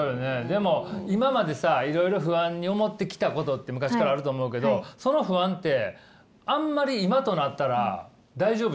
でも今までさいろいろ不安に思ってきたことって昔からあると思うけどその不安ってあんまりあっ確かに。